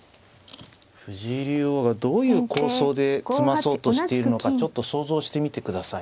藤井竜王がどういう構想で詰まそうとしているのかちょっと想像してみてください。